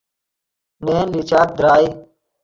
نے ین لیچاک درائے